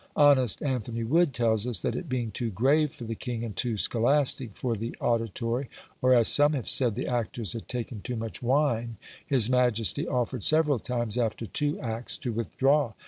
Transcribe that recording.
Honest Anthony Wood tells us, that it being too grave for the king, and too scholastic for the auditory, or, as some have said, the actors had taken too much wine, his majesty offered several times, after two acts, to withdraw.